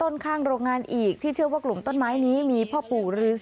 ยิ่งใหญ่พลังกาล